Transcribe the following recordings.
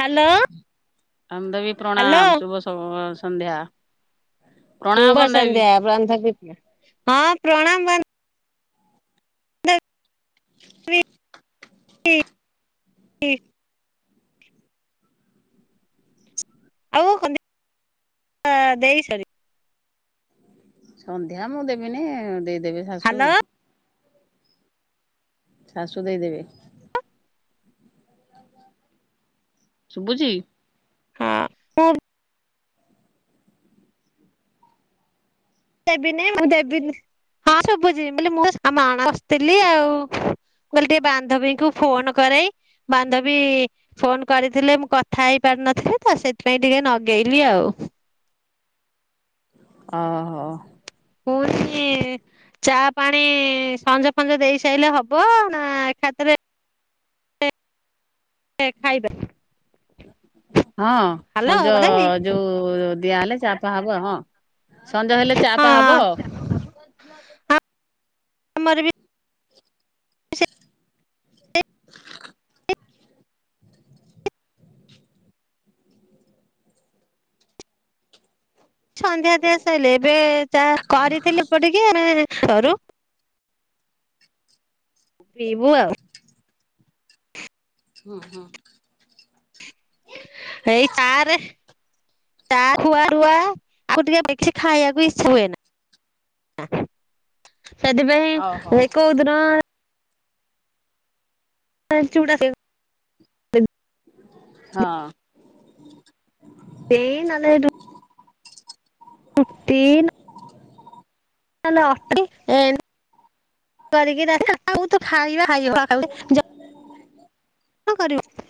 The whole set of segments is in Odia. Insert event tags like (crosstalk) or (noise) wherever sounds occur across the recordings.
ହ୍ୟାଲୋ। ଆମ ଦବି ହ୍ୟାଲୋ। ପ୍ରଣାମ ଶୁଭ ସବ୍ ସଂନ୍ଧ୍ୟା ଶୁଭ ସନ୍ଧ୍ୟା ବ୍ରନ୍ଥପ ହଁ ପ୍ରଣାମ ବ ହୁଁ (unintelligible) ଆଉ କନ୍ଦି ଆ ଦେଇ ସରି ସନ୍ଧ୍ୟା ମୁଁ ଦେବିନି ଦେଇଦେବି ଶାଶୁ ହ୍ୟାଲୋ ଶାଶୁ ଦେଇଦେବେ ଶୁଭୁଛି ହଁ ଦେବିନି ମୁଁ ଦେବିନି ହଁ ଶୁବୁଚି ବୋଲି ମୁଁ ମାଣ ଆସିଥିଲି ଆଉ ମୁଁ କହିଲି ଟିକେ ବାନ୍ଧବୀଙ୍କୁ ଫୋନ କରେଇ ବାନ୍ଧବୀ ଫୋନ୍ କରିଥିଲେ ମୁଁ କଥା ହେଇପାରି ନଥିଲି ତ ସେଇଥିପାଇଁ ଟିକେ ନଗେଇଲି ଆଉ। ଅହୋ। ପୁଣି ଚା ପାଣି ସଞ୍ଜ ଫଞ୍ଜ ଦେଇ ସାଇଲେ ହବ ନା ଏଖାତେରେ ଖାଇବା ହଁ ହ୍ୟାଲୋ ସଞ୍ଜ ବାନ୍ଧବୀ ଯୋଉ ଦିଆ ହଲେ ଚା ଫା ହବ ହଁ ସଞ୍ଜ ହେଲେ ଚା ପା ହବ। ହଁ ଆମର ବି ସେଇ ସନ୍ଧ୍ୟା ଦିଆ ସଇଲେ ଏବେ ଚା କରିଥିଲି ପ ଟିକେ ଆମେ କରୁ ପିଇବୁ ଆଉ। ହଁ ହଁ। ହେଇ ଚାଆରେ ତା ଖୁଆ ରୁଆ ରୁଆ ଆଖୁ ଟିକେ (unintelligible) କିଛି ଖାଇଆକୁ ଇଛା ହୁଏନା ନା। ସେଇଥିପାଇଁ ହଉ ହଉ। ହେ କୋଉଦିନ ଏଁ ଚୁଡା ଖାଇବୁ। ହଁ। ଏଇ ନହେଲେ ରୁ ଉଟି ନ ନହେଲେ ଅ (unintelligible) ଏ (unintelligible) କରିଛି ରା (unintelligible) ବୋହୁତୁ ଖାଇବା (unintelligible) (inaudible) କଁ କରିବ?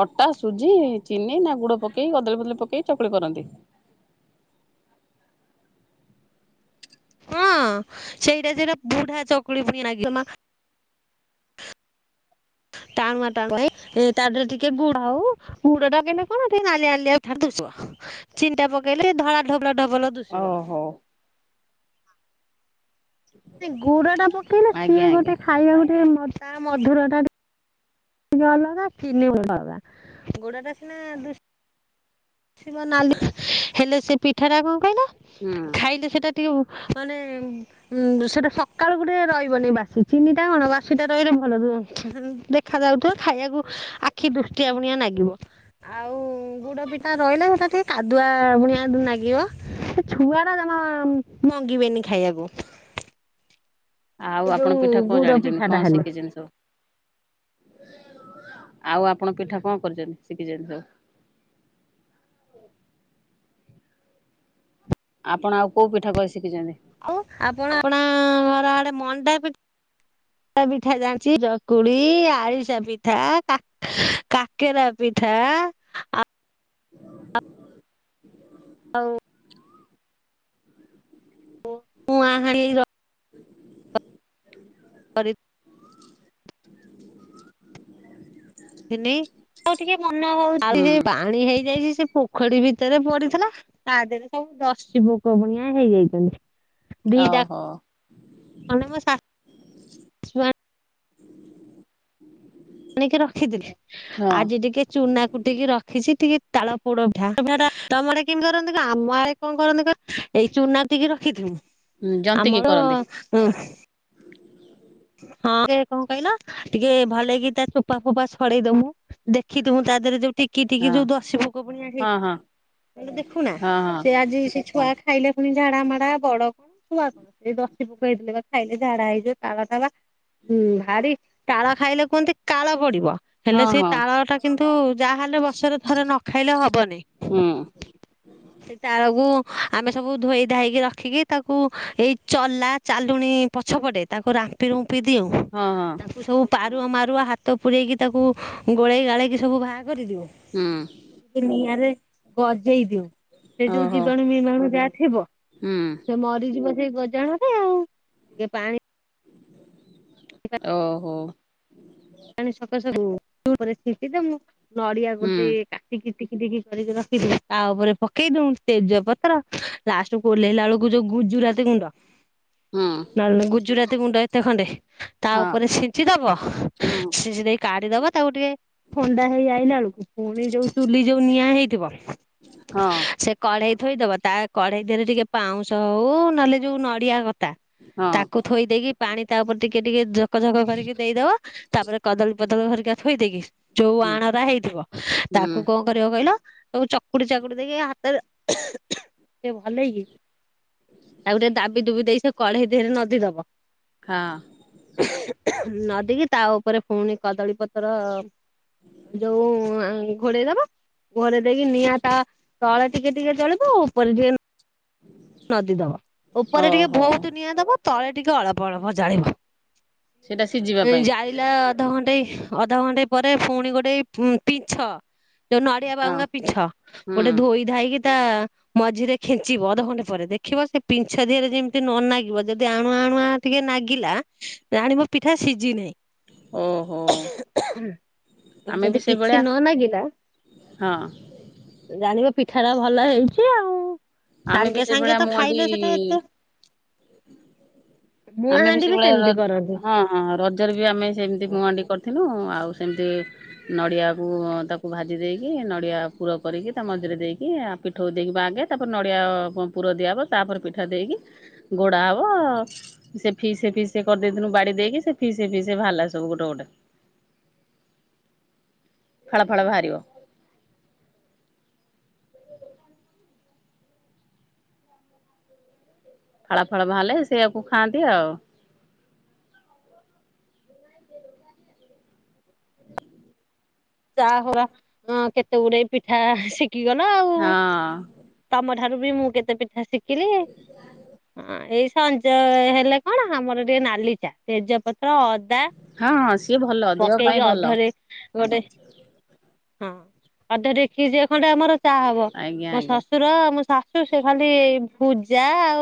ଅଟା ସୁଜି ଚିନି ନା ଗୁଡ ପକେଇ କଦଳୀ ଫଦଳୀ ପକେଇ ଚକୁଳି କରନ୍ତି। ହଁ ସେଇଟା ଯୋଉଟା ବୁଢା ଚକୁଳି ଫୁଣିଆ ନାଗି ମାମା ଟାଣୁଆ ଟାଣୁଆ (unintelligible) ଏ ତାଧେରେ ଟିକେ ଗୁଡ ହଉ ଗୁଡଟା ଅକେଇଲେ କଣ ଟିକେ ନାଲିଆ ନାଲିଆ ଠାରୁ ଦୁଶବ ଚିନଟା ପକେଇଲେ ଧଳା ଧବଲା ଧବଲା ଓହୋ। ନାଇଁ ଗୁଡଟା ପକେଇଲେ ଆଜ୍ଞା ସିଏ ଆଜ୍ଞା ଗୋଟେ ଖାଇବାକୁ ଟିକେ ମଧ୍ ତା ମଧୁରଟା ଟିକେ ଅଲଗା ଚିନି ଗୋଟେ ଅଲଗା ଗୁଡଟା ସିନା ଦୁଶ୍ ଶିବ ନାଲି ହେଲେ ସେ ପିଠାଟା କଁ କହିଲ ହୁଁ। ଖାଇଲେ ସେଇଟା ଟିକେ ଉ ମାନେ ଉଁ ଉଁ ସେଇଟା ସକାଳୁକୁ ଟିକେ ରହିବନି ବାସି ଚିନିଟା କଣ ବାସିଟା ରହିଲେ ଭଲ ରୁଏ ଦେ ଖା ଯାଉଥିବ ଖାଇଆକୁ ଆଖି ଦୃଷ୍ଟିଆ ଭଣିଆ ନାଗିବ। ଆଉଁ ଗୁଡ ପିଠା ରହିଲେ ସେଟା ଟିକେ କାଦୁଆ ଭୁଣିଆ ଡ୍ରୁ ନାଗିବ। ସେ ଛୁଆରା ଜମା ଉଁ ମଙ୍ଗିବେନି ଖାଇଆକୁ। ଆଉ ଆପଣ ପିଠା କଁ ଗୁଡ ଜାଣିଚନ୍ତି ପିଠା ଟା କଁ ହେଲେ। ଶିଖିଚନ୍ତିି ସବୁ। ଆଉ ଆପଣ ପିଠା କଁ କରିଚନ୍ତି ଶିଖିଚନ୍ତି ସବୁ। ଆପଣ ଆଉ କୋଉ ପିଠା କରି ଶିଖିଚନ୍ତି। ଆଉ ଆପଣ ଆପଣା ଘର ଆଡେ ମଣ୍ଡା ପି ଡା ପିଠା ଜାଣଚି ଜକୁଳି ଆରିଶା ପିଠା କା କାକେରା ପିଠା ଆ (inaudible) ଆଉ ଓ ଉଁଆହାଣୀର ତରି ଥିନି ଆଉ ଟିକେ ମନ ହଉଚି ହେ ହୁଁ। ପାଣି ହେଇଯାଇଛି ସେ ପୋଖଡୀ ଭିତେରେ ପଡିଥେଲା। ତା ଦେହେରେ ସବୁ ଦର୍ଶିପୋକ ଭୁଣିଆ ହେଇଯାଇଚନ୍ତି। ଦିଟା (unintelligible) ଓହୋ। କଣ ଶା ଆଣିକି ରଖିଦିଲେ ଆଜି ହଁ ଟିକେ ଚୁନା କୁଟିକି ର ଖିଛି ଟିକେ ତାଳ ପୋଡ ପିଠା (unintelligible) ତମ ଆଡେ କିଂ କରନ୍ତି କଁ ଆମ ଆଡେ କଁ କରନ୍ତି କ ଏଇ ଚୁନା ତିକେ ରଖିଥିବୁ ଜନ୍ତିକି ଆମର କରନ୍ତି ଉଁ ହଁ କେ କଣ କଇଲ ଟିକେ ଭଲେଇ କି ତା ଚୋପା ଫୋପା ଛଡେଇଦମୁ। ଦେଖିଥିମୁ ତା ଦେହରେ ଯୋଉଠି ଟିକିଟିକି ହଁ ଯୋଉ ଦଶୀ ପୋକ ଭୁଣିଆ ହେଇ ହଁ ହଁ ଦେଖୁନା ହଁ ହଁ। ସେ ଆଜି ସେଇ ଛୁଆ ଖାଇଲେ ପୁଣି ଝାଡା ମାଡା ବଡ କୁ ଏଇ ଦସି ପୋକ ହେଇଥିଲେ ବା ଖାଇଲେ ଝାଡା ହେଇଯିବେ ତା ବାଦ୍ ହଁ ବା ହୁଁ ଭାରି ତାଳ ଖାଇଲେ କୁହନ୍ତି କାଳ ପଡିବ। ହେଲେ ହଁ ସେଇ ହଁ ତାଳ ଟା କିନ୍ତୁ ଯାହା ହେଲେ ବର୍ଷରେ ଥରେ ନ ଖାଇଲେ ହବନି। ହୁଁ (inaudible) ସେଇ ତାଳକୁ ଆମେ ସବୁ ଧୋଇ ଧାଇକି ରଖିକି ତାକୁ ଏଇ ଚଲା ଚାଲୁଣି ପଛପଟେ ତାକୁ ରାମ୍ପି ରୁମ୍ପି ଦେଉଁ ହଁ ହଁ ତାଙ୍କୁ ସବୁ ପାରୁଅ ମାରୁଅ ହାତ ପୁରେଇକି ତାକୁ ଗୋଳେଇ ଗାଳେଇକି ସବୁ ବାହାର କରିଦେଉ। ହୁଁ। କେ ନିଆଁରେ ଗଜେଇ ଦିଉ। ସେ ଯୋଉ ଓହୋ ଜୀବାଣୁ ମିବାଣୁ ଯାଆ ଥିବ ହୁଁ। ସେ ମରିଯିବ। ସେ ଗଜାହେବେ ଆଉ ଟିକେ ପାଣି ଓହୋ। ଣି ସକାସେ (unintelligible) ଉପରେ ଛିଞ୍ଚି ଦମୁଁ ନଡିଆ ହୁଁ ଗୋଟି କା ଟିକି ଟିକି ଟିକି କରିକି ରଖି (inaudible) ତା ଉପରେ ପକେଇ ଦଉଁ ତେଜ ପତ୍ର ଲା ଯୋଉ ଓହ୍ଲେଇଲା ଳୁକୁ ଯୋଉ ଗୁଜୁରାତି ଗୁଣ୍ଡ ହୁଁ। ନହେଲେ ନାଇଁ ଗୁଜୁରାତି ଗୁଣ୍ଡ ଏତେ ଖଣ୍ଡେ ତା ହଁ ଉପରେ ଛିଞ୍ଚି ଦବ। ହୁଁ ଛିଞ୍ଚି ଦେଇକି କାଡିଦବ ତାକୁ ଟିକେ ଥଣ୍ଡା ହେଇ ଆଇଲା ଏଳୁକୁ ଫୁଣି ଯୋଉ ଚୁଲି ଯୋଉ ନିଆଁ ହେଇଥିବ ହଁ ସେ କଢେଇ ଥୋଇଦବ ତା କଢେଇ ଦିହରେ ଟିକେ ପାଉଁଶ ହଉ ନହେଲେ ଯୋଉ ନଡିଆ କ ତା ହଁ ତାକୁ ଥୋଇ ଦେଇକି ପାଣି ତା ଉପରେ ଟିକେ ଟିକେ ଝକ ଝକ କରିକି ଦେଇଦବ ତାପରେ କଦଳୀ ପତ୍ର ହେରିକା ଥୋଇଦେଇକି ଯୋଉ ହୁଁ ଆଣରା ହେଇଥିବ ହୁଁ ତାକୁ କଣ କରିବ କହିଲ ତାକୁ ଚକୁଡି ଚାକୁଡି ଦେଇକି ହାତରେ ଓହୁଁ ଓହୁଁ କେ ଭଲେଇକି ତାକୁ ଟିକେ ଦାବି ଦୁବି ଦେଇ ସେ କଢେଇ ଦେହରେ ନଧି ଦବ। ହଁ। ହୁଁ ହୁଁ ନଦିକି ତା ଉପରେ ଫୁଣି କଦଳୀ ପତ୍ର ଯୋଉଁ ଆଁ ଘୋଡେଇ ଦବ। ଘୋଡ଼େଇ ଦେଇକି ନିଆଁ ତା ତଳେ ଟିକେ ଟିକେ ଜଳିବ ଓପରେ ଟିକେ ନଦୀ ଦବ ଓପରେ ଟିକେ ଓହୋ ବହୁତୁ ନିଆଁ ଦବ ତଳେ ଟିକେ ଅଳପ ଅଳପ ଜାଳିବ। ସେଇଟା ସିଝିବା ଏଇ ପାଇଁ ଜାଳିଲା ଅଧଘଣ୍ଟେଇ ଅଧଘଣ୍ଟେ ପରେ ଫୁଣି ଗୋଟେ ପିଞ୍ଛ ଯୋଉ ନଡ଼ିଆ ହଁ ବାଉଙ୍କା ପିଞ୍ଛ ହୁଁ ଗୋଟେ ଧୋଇ ଧାଇକି ତା ମଝିରେ ଖେଞ୍ଚିବ ଅଧଘଣ୍ଟେ ପରେ ଦେଖିବ ସେ ପିଞ୍ଛ ଦିହରେ ଯେମିତି ନ ନାଗିବ ଯଦି ଆଣୁଆ ଆଣୁଆ ଟିକେ ନାଗିଲା ଜାଣିବ ପିଠା ସିଜି ନେହିଁ। ଓହୋ। ଆମେ ଯଦି ବି କିଛି ସେଇଭଳିଆ ନ ନାଗିଲା ହଁ। ଜାଣିବ ପିଠା ଟା ଭଲ ହେଉଚି ଆଉ। ଆମେ ସାଙ୍ଗେ ବି ସାଙ୍ଗେ ସେଇଭଳିଆ ତ ଖାଇଲେ ମୁଆଣ୍ଡି ସେଟା ଏତେ ମୁଆଁ ଆମେ ବି ହାଣ୍ଡି ସେଭଳିଆ ର ସେମିତି କରନ୍ତି। ହଁ ହଁ ରଜରେ ବି ଆମେ ସେମିତି ମୁଆଣ୍ଡିି କରିଥିନୁ ଆଉ ସେମିତି ନଡିଆକୁ ତାକୁ ଭାଜି ଦେଇକି ନଡିଆ ପୁର କରିକି ତା ମଝିରେ ଦେଇକି ଆ ପି ଠଉ ଦେଇକିବା ଆଗେ ତାପରେ ନଡ଼ିଆ ଅ ପୁର ଦିଆହବ ତାପରେ ପିଠା ଦେଇକି ଗୋଡା ହବ ସେ ଫିସେ ଫିସେ କରିଦେଇଥିନୁ ବାଡି ଦେଇକି ସେ ଫିସେ ଫିସେ ବାହାରିଲା ସବୁ ଗୋଟେ ଗୋଟେ। ଫାଳ ଫାଳ ବାହାରିବ। ଫାଳ ଫାଳ ବାହାରିଲେ ସେଇଆକୁ ଖାଆନ୍ତି ଆଉ। (unintelligible) (unintelligible) କେତେ ଗୁଡେ ପିଠା ଶିକିଗଲା ଆଉ। ହଁ ତମ ଠାରୁ ବି ମୁଁ କେତେ ପିଠା ଶିକିଲି। ହଁ ଏଇ ସଞ୍ଜ ହେଲେ କଣ ଆମର ଟିକେ ନାଲି ଚା ତେଜପତ୍ର ଅଦା ହଁ ହଁ ସିଏ ଭଲ ଦେହ ପାଇଁ ପକେଇକି ଭଲ ଅଧରେ ଗୋଟେ ହଁ ଅଧ ଡେକେଚିଏ ଖଣ୍ଡେ ଆମର ଚା ହବ, ଆଜ୍ଞା ମୋ ଆଜ୍ଞା ଶ୍ୱଶୁର ଶା ଶୁ ସେ ଖାଲି ଏଇ ଭୂଜା ଆଉ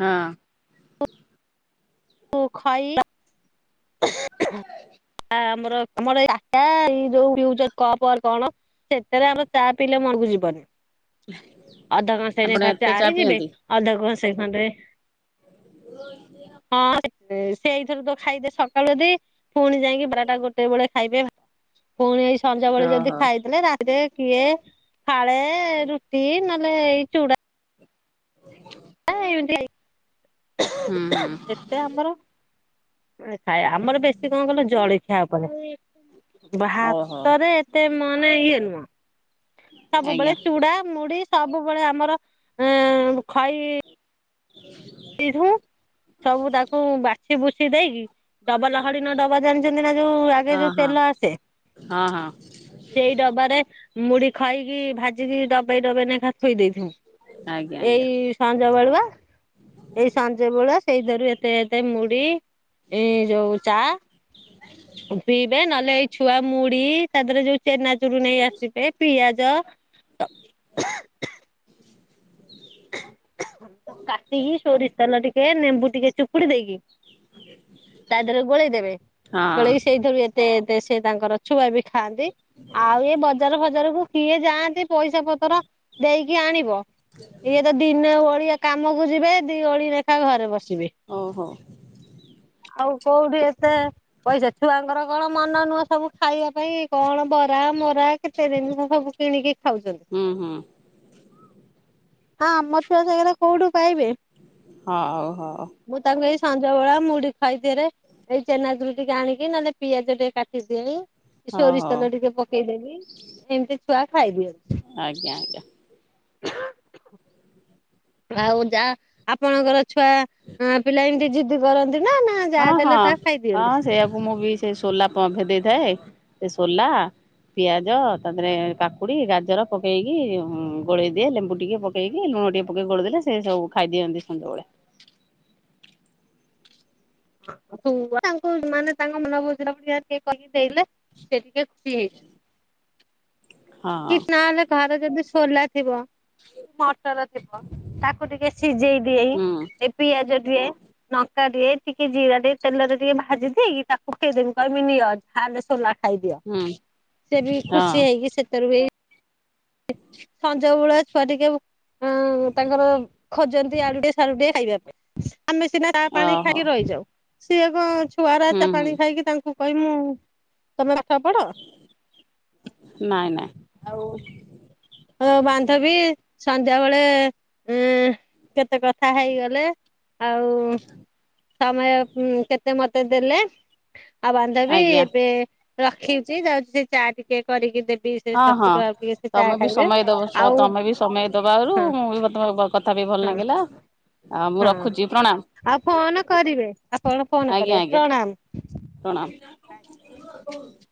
ହଁ। ଖଇ (unintelligible) ଆମର-ଆମର ଏଇ (unintelligible) ଏଇ ଯୋଉ (unintelligible) କପ କଣ? ସେଥେରେ ଆମର ଚା ପିଇଲେ ମନକୁ ଯିବନି, ଅଧ କଂସାଏ ଆପଣ ନେଖା ଏତେ ଚା ନେଇଯିବେ ଅଧ କଂସାଏ ଖଣ୍ଡେ ହ (unintelligible) ହଁ ସେଇଥରୁ ତ (unintelligible) ସକାଳୁ ଯଦି ଫୁଣି ଯାଇକି ବାରଟା ଗୋଟେ ବେଳେ ଖାଇବେ। ପୁଣି ଏଇ ସଞବେଳେ ଯଦି ଓହୋ ଖାଇଦେଲେ ରାତିରେ କିଏ ଫାଳେ ରୁଟି ନହେଲେ ଏଇ ଚୁଡା (inaudible) ହୁଁ-ହୁଁ। ଏ ଆମର ଖାଏ ଆମର ବେଶୀ କଣ କହିଁଲ ଜଳଖିଆ ଉପରେ। ଓହୋ ଭାତରେ ଏତେ ମାନେ ଇଏ ନୁହଁ, ସବୁବେଳେ ଆଜ୍ଞା ଚୁଡା ମୁଢି ସବୁବେଳେ ଆମର ଏ ଖଇ (unintelligible) ସବୁ ତାକୁ ବାଛି ବୁଛି ଦେଇକି ଡବଲ ହରିଣ ଡବା ଜାଣିଛନ୍ତି ନା ଯୋଉ ଆଗେ ଯୋଉ ତେଲ ଆସେ? ହଁ-ହଁ। ସେଇ ଡବାରେ ମୁଢି ଖାଇକି ଭାଜିକି ଡବେଇ-ଡବେଇ ନେଖା ଥୋଇ ଦେଇଥବୁ। ଆଜ୍ଞା ଆଜ୍ଞା ଏଇ ସଞ୍ଜ ବେଳୁଆ ଏଇ ସଞ୍ଜ ବେଳଆ ସେଇଥିରୁ ଏତେ-ଏତେ ମୁଢି ଏ ଯୋଉ ଚା ପିଇବେ ନହେଲେ ଏଇ ଛୁଆ ମୁଢି ତା ଦେରେ ଯୋଉ ଚେନାଚୁରୁ ନେଇ ଆସିବେ ପିଆଜ ସବୁ କାଟିକି ସୋରିଷ ତେଲ ଟିକେ ନେମ୍ୱୁ ଟିକେ ଚୁପୁଡି ଦେଇକି ତା ଦେରେ ଗୋଳେଇ ଦେବେ ହଁ ଗୋଳେଇକି ସେଇଥିରୁ ଏ ତେ ଏତେ ସିଏ ତାଙ୍କର ଛୁଆ ବି ଖାଆନ୍ତି, ଆଉ ଏ ବ ଜାର ଫାଜାରକୁ କିଏ ଯାଆନ୍ତି ପଇସା ପତର ଦେଇକି ଆଣିବ ଇଏ ତ ଦିନେ ଓଳିଏ କାମକୁ ଯିବେ ଦି ଓଳି ଲେଖା ଘରେ ବସିବେ। ଓହୋ। ଆଉ କୋଉଠି ଏତେ ପଇସା ଛୁଆଙ୍କର କଣ ମନ ନୁହଁ ସବୁ ଖାଇବା ପାଇଁ କଣ ବରା ମରା କେତେ (unintelligible) ସବୁ କିଣିକି ଖାଉଚନ୍ତି, ହୁଁ ହୁଁ ଆମ ଛୁଆ ସେଗୁରା କୋଉଠୁ ପାଇବେ? ହଉ-ହଉ। ମୁଁ ତାଙ୍କୁ ଏଇ ସଞ୍ଜ ବେଳା ମୁଢି ଖାଇ (unintelligible) ଏଇ ଚେନା ଚୁରୁ ଟିକେ ଆଣିକି ନହେଲେ ପିଆଜ ଟିକେ କାଟି ଦିଏଇ ହଉ ସୋରିଷ ହଉ ତେଲ ଟିକେ ପକେଇଦେବି ଏମ୍ତି ଛୁଆ ଖାଇଦିଅନ୍ତି। ଆଜ୍ଞା ଆଜ୍ଞା। ଆଉ ଯା ଆପଣଙ୍କର ଛୁଆ ପିଲା ଏମ୍ତି ଜିଦ୍ଦି କରନ୍ତି ନା ଯାହା ଦେଲେ ତାହା ଖାଇଦିଅନ୍ତି। ହଁ-ହଁ-ହଁ ସେଇଆକୁ ମୁଁ ବି ସେ ସୋଲା ଭେଦେଇଥାଏ ସେ ସୋଲା ପିଆଜ ତାପରେ କାକୁଡି ଗାଜର ପକେଇକି ଗୋଳେଇ ଦିଏ ଲେମ୍ବୁ ଟିକେ ପକ୍ ପକେଇ କି ଲୁଣ ଟେ ପକେଇ ଗୋଲେଇ ଦେଲେ ସେ ସବୁ ଖାଇଦିଅନ୍ତି ସଞ୍ଜଓଳା। ତୁ ତାଙ୍କୁ ମାନେ ତାଙ୍କ ମନ ବୁଝିଲା ପରା ଟିକେ କରିକି ଦେଇଦେଲେ ସେ ଟିକେ ଖୁସି ହେଇଯିବେ। କି ହଁ ନହେଲେ ଘରେ ଯଦି ସୋଲା ଥିବ। ମଟର ଥିବ ତାକୁ ଟିକେ ସିଝେଇ ଦେଇ, ହୁଁ ଏ ପିଆଜ ଟିଏ ଲଙ୍କା ଦେଇ, ଟିକେ ଜିରା ଦେଇ, ତେଲରେ ଟିକେ ଭାଜି ଦେଇ, ତାକୁ ପିଏଇଦେମୀ କହିବି ନିଅ କହିବି ସୋଲା ଖାଇଦିଅ ହୁଁ ସେ ବି ହଁ ଖୁସି ହେଇକି ସେଥିରୁ ବି (inaudible) ସଞ୍ଜଓଳା ଛୁଆ ଟିକେ ଅ ତାଙ୍କର ଖୋଜନ୍ତି ୟାଡୁ ଟିକେ ସିଆଡୁ ଖାଇବା ପାଇଁ ଆମେ ସିନା ତା ପାଣି ଓହୋ ଖାଇକି ରହିଯାଉ ସିଏ କଣ ଛୁଆର ହୁଁ ଚା ହୁଁ ପାଣି ଖାଇକି ତାଙ୍କୁ କହିମି ମୁ ତମେ ପାଠ ପଢ। ନାଇଁ ନାଇଁ। ଆଉ। ହଁ ବାନ୍ଧବୀ ସନ୍ଧ୍ୟାବେେଳେ ଏଁ--କେତେ କଥା ହେଇଗଲେ ଆଉ ସମୟ କେତେ ମତେ ଦେଲେ। ଆଉ ବାନ୍ଧବୀ ଆଜ୍ଞା ଏବେ ରଖିଚି, ଯାଉଛି ସେ ଚା ଟିକେ କରିକି ଦେବି। ଦିଏ ସେ ହଁ ହଁ ଶଶୁର ଆଉ ଟିକେ ସେ ଚା ତମେ ବି ଖାଇବେ। ସମୟ ଦେବ ସ, ଆଉ ତମେ ବି ସମୟ ଦବାରୁ ହଁ ମୁଁ ବି ମ ତମ କଥା ବି ଭଲ୍ ହଁ ଲାଗିଲା। ଆଉ ମୁଁ ହଁ ରଖୁଛି ପ୍ରଣାମ୍। ଆଉ ଫୋନ କରିବେ, ଆପଣ ଫୋନ୍ କରିବେ ପ୍ରଣାମ। ପ୍ରଣାମ୍।